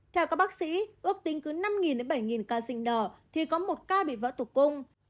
theo các bác sĩ ước tính cứ năm đến bảy ca rình đỏ thì có một ca bị vỡ tục cung